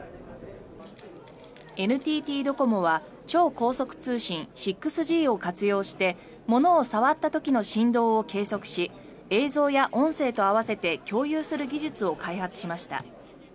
ＮＴＴドコモ超高速通信６Ｇを活用して物を触った時の振動を計測し映像や音声と合わせて共有する技術を開発しました。